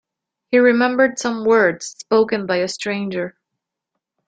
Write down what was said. He remembered some words spoken by a stranger.